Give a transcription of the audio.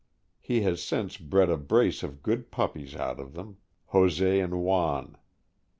He has since bred a brace of good puppies out of them — Jose and Juan.